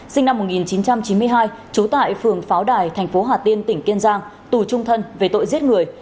sinh năm một nghìn chín trăm chín mươi hai trú tại phường pháo đài thành phố hà tiên tỉnh kiên giang tù trung thân về tội giết người